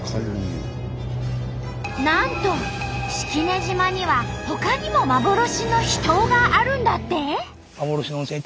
なんと式根島にはほかにも幻の秘湯があるんだって！？